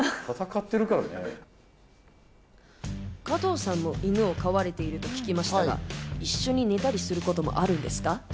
加藤さんも犬を飼われていると聞きましたが、一緒に寝たりすることもあるんですか？